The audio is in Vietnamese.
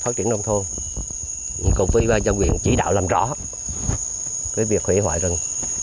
phát triển nông thôn cùng với văn quyền chỉ đạo làm rõ việc hủy hoại rừng